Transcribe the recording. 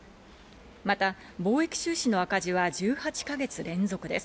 また、貿易収支の赤字は１８か月連続です。